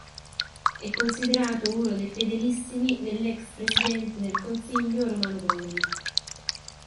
È considerato uno dei "fedelissimi" dell'ex presidente del Consiglio Romano Prodi.